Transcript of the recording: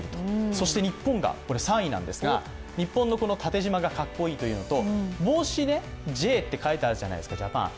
そして日本が３位なんですが、日本の縦じまが格好いいというのと帽子「Ｊ」と書いてあるじゃないですか、ジャパン。